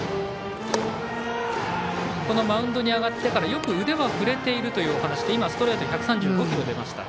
このマウンドに上がってからはよく腕は振れているというお話で、今のストレートは１３５キロ出ました。